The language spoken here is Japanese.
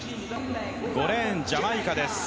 ５レーン、ジャマイカです。